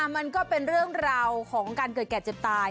มันก็เป็นเรื่องราวของการเกิดแก่เจ็บตาย